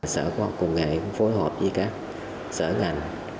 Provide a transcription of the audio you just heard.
sở khoa học công nghệ cũng phối hợp với các sở ngành